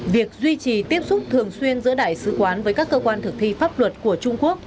việc duy trì tiếp xúc thường xuyên giữa đại sứ quán với các cơ quan thực thi pháp luật của trung quốc